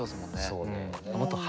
そうね。